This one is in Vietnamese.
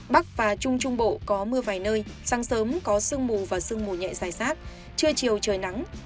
bắc và trung trung bộ có mưa vài nơi sáng sớm có sương mù và sương mù nhẹ dài sát trưa chiều trời nắng